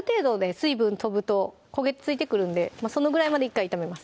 水分飛ぶと焦げついてくるんでそのぐらいまで１回炒めます